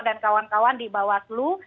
dan kawan kawan di bawah selu